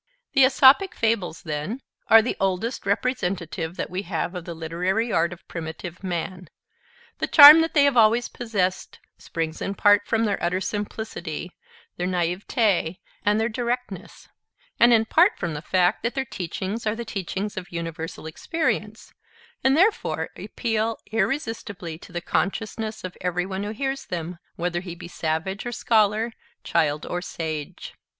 The Aesopic Fables, then, are the oldest representative that we have of the literary art of primitive man. The charm that they have always possessed springs in part from their utter simplicity, their naiveté, and their directness; and in part from the fact that their teachings are the teachings of universal experience, and therefore appeal irresistibly to the consciousness of every one who hears them, whether he be savage or scholar, child or sage.